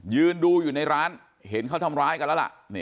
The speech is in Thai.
ยืนดูอยู่ในร้านเห็นเขาทำร้ายกันแล้วล่ะ